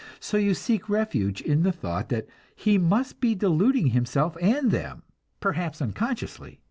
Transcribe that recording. So you seek refuge in the thought that he must be deluding himself and them, perhaps unconsciously.